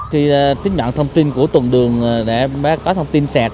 khi tiếp nhận thông tin của tuần đường để có thông tin sạc